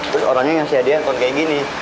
terus orangnya ngasih hadiah anton kayak gini